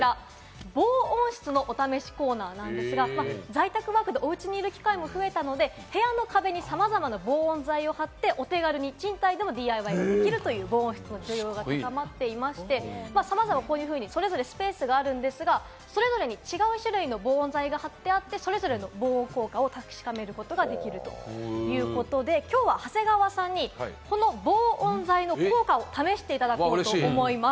防音室のお試しコーナーなんですが、在宅ワークでおうちにいる機会が増えたので、部屋の壁にさまざまな防音材を張って、お手軽に賃貸でもＤＩＹができるという防音室の需要が高まっていまして、それぞれスペースがあるんですが、それぞれ違う種類の防音材が張ってあって、それぞれの防音効果を試せることができるということで、きょうは長谷川さんに防音材の効果を試していただこうと思います。